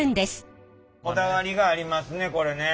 こだわりがありますねこれね。